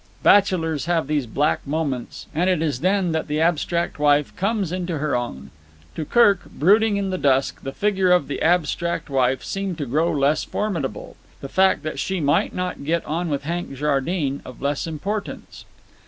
Bachelors have these black moments, and it is then that the abstract wife comes into her own. To Kirk, brooding in the dusk, the figure of the abstract wife seemed to grow less formidable, the fact that she might not get on with Hank Jardine of less importance.